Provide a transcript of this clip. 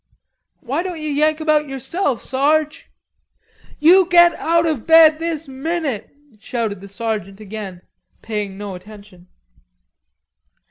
"Why don't you yank him out yourself, Sarge?" "You get out of bed this minute," shouted the sergeant again, paying no attention.